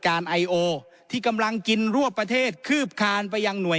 ไอโอที่กำลังกินรั่วประเทศคืบคานไปยังหน่วย